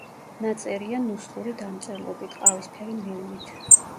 ნაწერია ნუსხური დამწერლობით, ყავისფერი მელნით.